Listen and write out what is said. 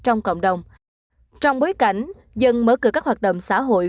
trong bối cảnh dần mở cửa các hoạt động xã hội